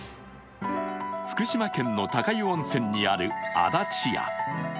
福島県の高湯温泉にある安達屋。